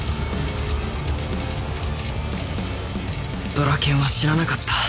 ドラケンは死ななかった。